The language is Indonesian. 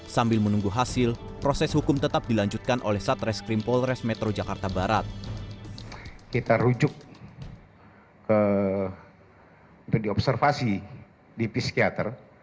sambil menunggu hasil proses hukum tetap dilanjutkan oleh satreskrim polres metro jakarta barat